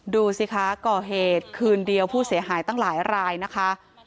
ดูสิคะก่อเหตุคืนเดียวผู้เสียหายตั้งหลายรายนะคะ